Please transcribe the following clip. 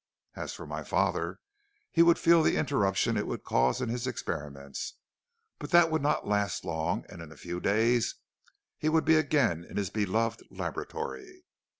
As for my father, he would feel the interruption it would cause in his experiments, but that would not last long, and in a few days he would be again in his beloved laboratory.